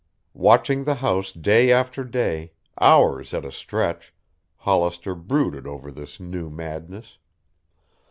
Watching the house day after day, hours at a stretch, Hollister brooded over this new madness.